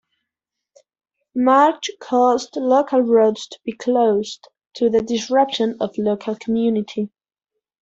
The march caused local roads to be closed to the disruption of local community.